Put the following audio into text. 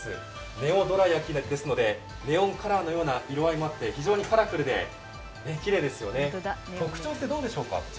ネオどら焼きですので、ネオンカラーのような色合いもあって、非常にカラフルできれいですよね、特徴ってどうでしょうか？